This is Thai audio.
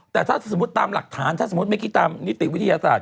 แต่ถ้าตามหลักฐานถ้าเราไม่คิดจากนิติวิทยาศาสตร์